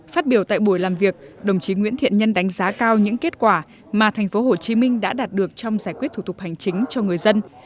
phát biểu tại buổi làm việc đồng chí nguyễn thiện nhân đánh giá cao những kết quả mà tp hcm đã đạt được trong giải quyết thủ tục hành chính cho người dân